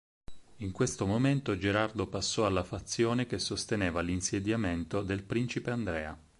In questo momento Gerardo passò alla fazione che sosteneva l'insediamento del principe Andrea.